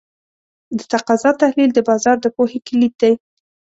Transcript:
د تقاضا تحلیل د بازار د پوهې کلید دی.